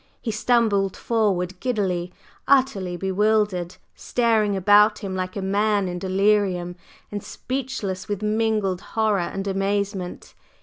He stumbled forward giddily, utterly bewildered, staring about him like a man in delirium, and speechless with mingled horror and amazement.